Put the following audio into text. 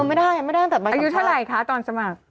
ไม่ได้แต่ใบสมัครอายุเท่าไหร่คะตอนสมัคร